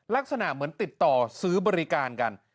ลักษณะเหมือนติดต่อซื้อบริการกัน